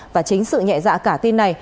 và chính sự nhẹ dạ cả tin này